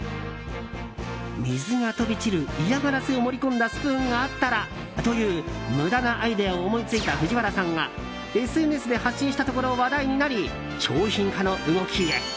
水が飛び散る嫌がらせを盛り込んだスプーンがあったらという無駄なアイデアを思いついた藤原さんがＳＮＳで発信したところ話題になり商品化の動きへ。